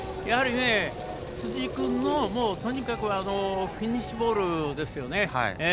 辻君のとにかくフィニッシュボールですよね。